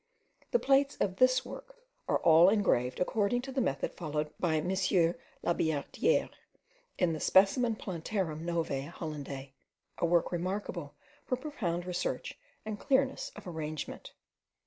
The plates of this work are all engraved according to the method followed by M. Labillardiere, in the Specimen Planterum Novae Hollandiae, a work remarkable for profound research and clearness of arrangement.